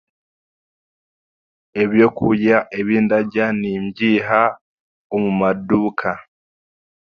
Ebyokurya ebindarya nimbiiha omu maduuka